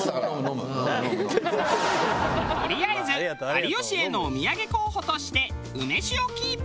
とりあえず有吉へのお土産候補として梅酒をキープ。